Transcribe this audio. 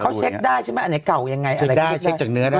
เขาเช็คได้ใช่ไหมอันไหนเก่ายังไงอะไรก็ได้เช็คจากเนื้อได้